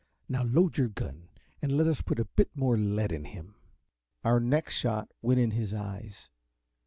Now load your gun, and let us put a bit more lead in him." Our next shot went in his eyes.